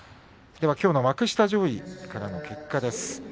きょうの幕下上位からの結果です。